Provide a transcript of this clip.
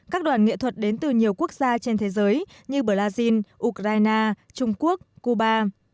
các đoàn nghệ thuật đến từ nhiều quốc gia trên thế giới như brazil ukraine trung quốc cuba